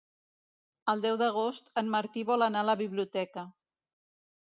El deu d'agost en Martí vol anar a la biblioteca.